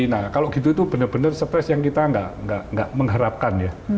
nah kalau gitu itu benar benar stres yang kita nggak mengharapkan ya